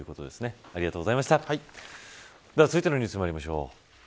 では、続いてのニュースまいりましょう。